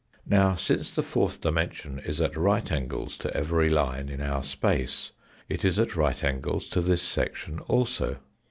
Now since the fourth dimension is at right angles to every line in our space it is at right angles to this section also.